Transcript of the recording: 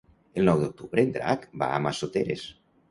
El nou d'octubre en Drac va a Massoteres.